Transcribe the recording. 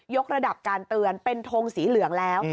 กระดับการเตือนเป็นทงสีเหลืองแล้ว